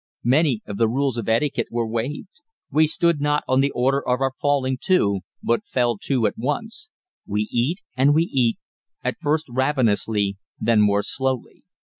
Many of the rules of etiquette were waived. We stood not on the order of our falling to, but fell to at once. We eat, and we eat, at first ravenously, then more slowly.